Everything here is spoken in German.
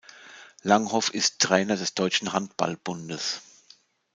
Langhoff ist Trainer des Deutschen Handballbundes.